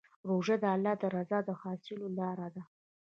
روژه د الله د رضا حاصلولو لاره ده.